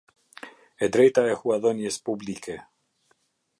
E drejta e huadhënies publike.